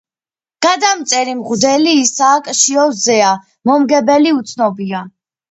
გადამწერი მღვდელი ისააკ შიოს ძეა, მომგებელი უცნობია.